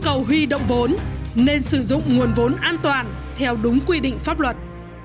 nhu cầu huy động vốn nên sử dụng nguồn vốn an toàn theo đúng quy định pháp luật